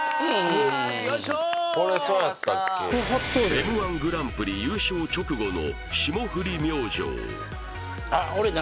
イエーイＭ−１グランプリ優勝直後の霜降り明星